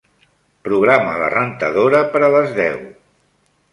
Programa la rentadora per a les deu.